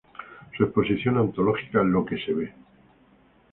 Su exposición antológica "Lo que se ve.